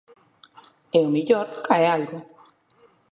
E ó millor cae algo.